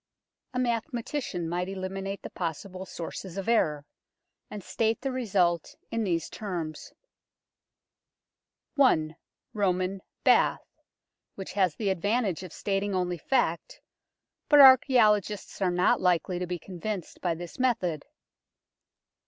A mathematician might eliminate the possible sources of error, and state the result in these terms i ROMAN BATH which has the advantage of stating only fact, but archaeologists are not likely to be convinced by this method.